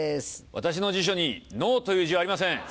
私の辞書に「ノー」という字はありません。